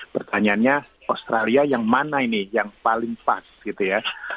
pertanyaannya australia yang mana ini yang paling pas gitu ya